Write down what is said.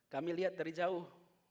kami lihat dari jauh